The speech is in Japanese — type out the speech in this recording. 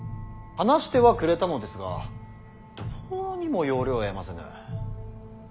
話してはくれたのですがどうにも要領を得ませぬ。